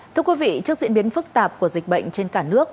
thưa quý vị trước diễn biến phức tạp của dịch bệnh trên cả nước